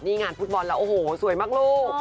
นี่งานฟุตบอลแล้วโอ้โหสวยมากลูก